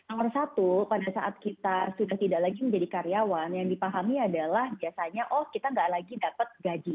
nomor satu pada saat kita sudah tidak lagi menjadi karyawan yang dipahami adalah biasanya oh kita nggak lagi dapat gaji